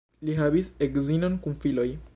Li havis edzinon kun filoj.